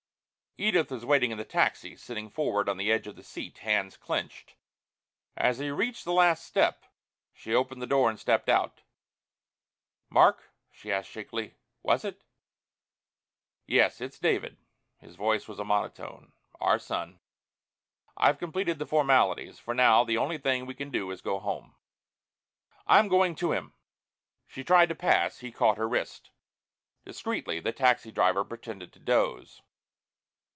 Edith was waiting in the taxi, sitting forward on the edge of the seat, hands clenched. As he reached the last step she opened the door and stepped out. "Mark," she asked shakily, "was it " "Yes, it's David." His voice was a monotone. "Our son. I've completed the formalities. For now the only thing we can do is go home." "I'm going to him!" She tried to pass. He caught her wrist. Discretely the taxi driver pretended to doze.